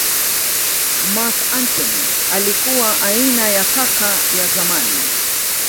Marc Antony alikuwa aina ya kaka ya zamani